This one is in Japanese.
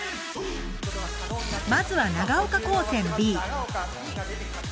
まずは長岡高専Ｂ。